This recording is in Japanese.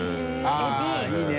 ◆舛いいね。